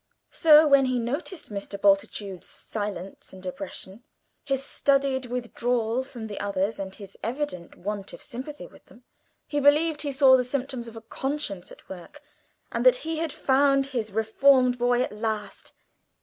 So when he noticed Mr. Bultitude's silence and depression, his studied withdrawal from the others and his evident want of sympathy with them, he believed he saw the symptoms of a conscience at work, and that he had found his reformed boy at last.